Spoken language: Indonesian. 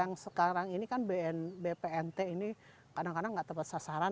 yang sekarang ini kan bpnt ini kadang kadang nggak tepat sasaran